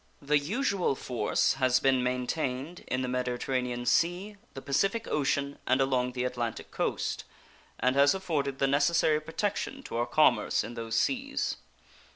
The usual force has been maintained in the Mediterranean Sea, the Pacific Ocean, and along the Atlantic coast, and has afforded the necessary protection to our commerce in those seas.